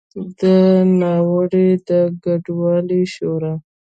د ناروې د کډوالو شورا